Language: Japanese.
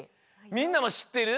みんなもしってる？